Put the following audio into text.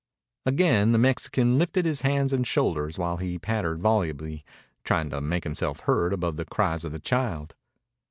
Again the Mexican lifted hands and shoulders while he pattered volubly, trying to make himself heard above the cries of the child.